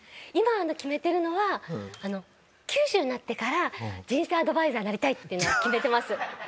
今決めているのは９０になってから人生アドバイザーになりたいというのは決めてます。